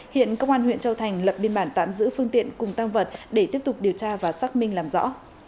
hiện công an huyện châu thành lập biên bản tạm giữ phương tiện cùng tăng vật để tiếp tục điều tra và xác minh làm rõ